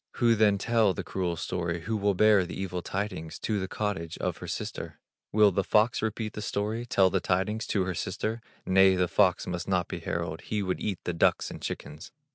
Who then tell the cruel story, Who will bear the evil tidings. To the cottage of her sister? Will the fox repeat the story Tell the tidings to her sister? Nay, the fox must not be herald, He would eat the ducks and chickens.